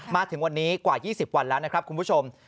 มาถึงวันนี้กว่า๒๐วันแล้วนะครับคุณผู้ชม